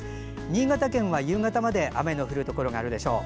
新潟県は夕方まで雨の降るところがあるでしょう。